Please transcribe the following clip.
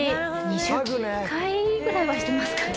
ぐらいはしてますかね。